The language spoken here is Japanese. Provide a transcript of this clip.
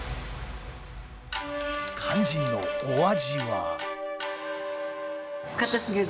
肝心のお味は。